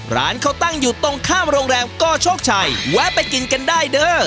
ร้านเขาตั้งอยู่ตรงข้ามโรงแรมกโชคชัยแวะไปกินกันได้เด้อ